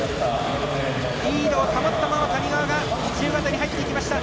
リードを保ったまま谷川が自由形に入っていきました。